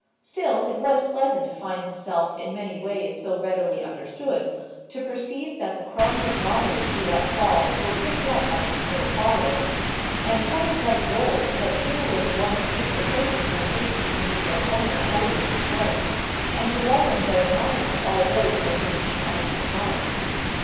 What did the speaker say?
Still, it was pleasant to find himself in many ways so readily understood; to perceive that the crumbs of knowledge he let fall were picked up by his little follower, and hoarded like gold that here was one to hate the persons and things whom Mr. Horner coldly disliked, and to reverence and admire all those for whom he had any regard.